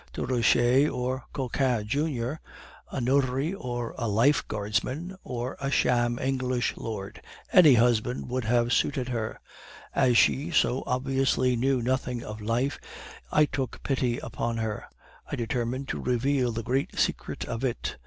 Desroches or Cochin junior, a notary or a lifeguardsman, or a sham English lord, any husband would have suited her. As she so obviously knew nothing of life, I took pity upon her, I determined to reveal the great secret of it.